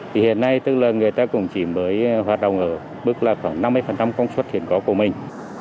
thì hiện nay tức là người ta cũng chỉ mới hoạt động ở mức là khoảng năm mươi công suất hiện có của mình